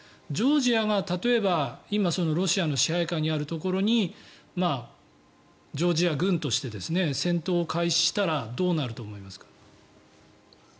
ジョージアが例えば今、ロシアの支配下にあるところにジョージア軍として戦闘を開始したらどうなると思いますか？